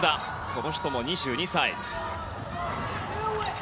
この人も２２歳。